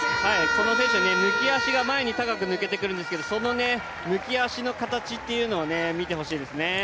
この選手、抜き足が高く抜けてくるんですけど、抜き足の形を見てほしいですね。